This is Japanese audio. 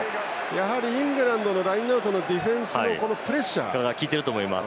やはりイングランドのラインアウトのディフェンスの効いていると思います。